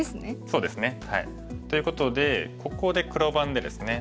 そうですね。ということでここで黒番でですね